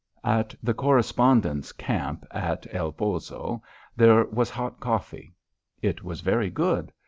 At the correspondents' camp, at El Poso, there was hot coffee. It was very good.